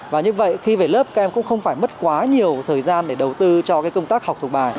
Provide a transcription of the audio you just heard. và như vậy khi về lớp các em cũng không phải mất quá nhiều thời gian để đầu tư cho công tác học thuộc bài